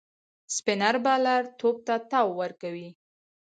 سپينر بالر توپ ته تاو ورکوي.